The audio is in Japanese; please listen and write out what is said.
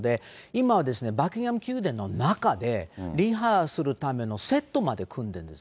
今はバッキンガム宮殿の中で、リハするためのセットまで組んでるんです。